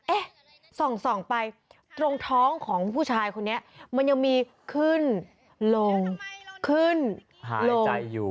เอ๊ะส่องไปตรงท้องของผู้ชายคนนี้มันยังมีขึ้นลงขึ้นหายใจอยู่